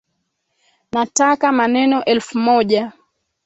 Nataka maneno elfu moja